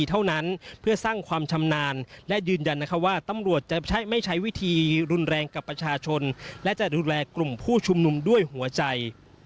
และจะดูแลกลุ่มผู้ชุมนุมด้วยหัวใจ